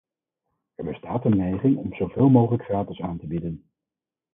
Er bestaat een neiging om zoveel mogelijk gratis aan te bieden.